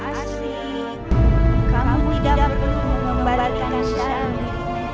asri kamu tidak perlu membalikkan syal ini